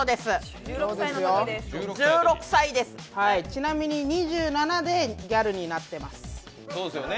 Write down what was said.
ちなみに２７でギャルになってます。